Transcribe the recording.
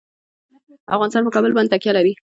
افغانستان په کابل باندې تکیه لري.